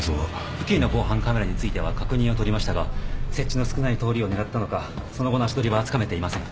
付近の防犯カメラについては確認をとりましたが設置の少ない通りを狙ったのかその後の足取りはつかめていません。